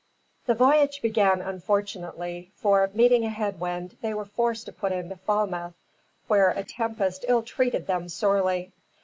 The voyage began unfortunately, for, meeting a headwind, they were forced to put into Falmouth, where a tempest ill treated them sorely.